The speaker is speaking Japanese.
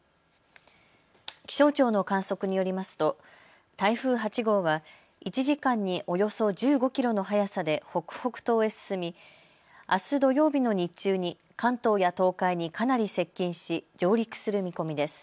気象庁の観測によりますと台風８号は１時間におよそ１５キロの速さで北北東へ進みあす土曜日の日中に関東や東海にかなり接近し上陸する見込みです。